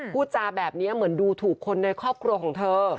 พูดจาแบบนี้เหมือนดูถูกคนในครอบครัวของเธอ